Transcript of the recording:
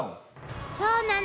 そうなの。